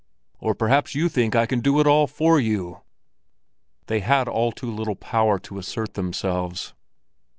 "Or perhaps you think I can do it all for you?" They had too little power to assert themselves.